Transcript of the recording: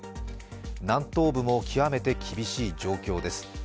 南東部も極めて厳しい状況です。